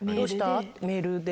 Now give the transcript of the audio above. メールで。